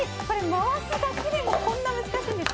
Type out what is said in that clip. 回すだけでもこんなに難しいんですね。